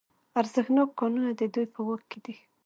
ارزښتناک کانونه د دوی په واک کې دي